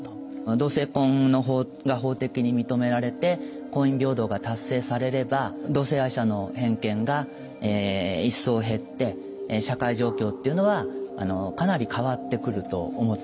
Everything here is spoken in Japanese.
同性婚が法的に認められて婚姻平等が達成されれば同性愛者の偏見が一層減って社会状況っていうのはかなり変わってくると思ってます。